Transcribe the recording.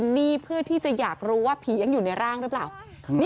เดี๋ยวจะขากลับบ้าน